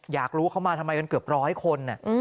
อยากรู้เขามาทำไมเป็นเกือบ๑๐๐คน